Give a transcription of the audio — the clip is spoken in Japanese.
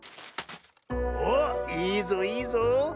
おっいいぞいいぞ。